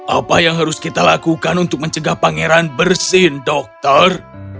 apa yang harus kita lakukan untuk mencegah pangeran bersin dokter